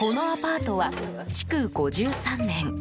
このアパートは築５３年。